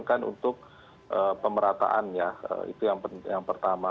kan untuk pemerataan ya itu yang pertama